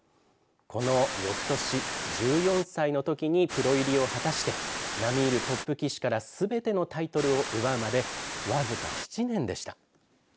このよくとし１４歳の時にプロ入りを果たして並みいるトップ棋士からすべてのタイトルを奪うまで僅か７年でした。